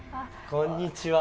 こんにちは。